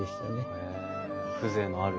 へえ風情のある。